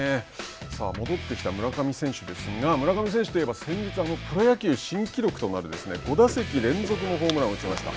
さあ、戻ってきた村上選手ですが村上選手といえば先日、プロ野球新記録となる５打席連続のホームランを打ちました。